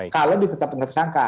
kalau ditetapkan tersangka